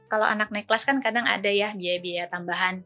kalau anak naik kelas kan kadang ada ya biaya biaya tambahan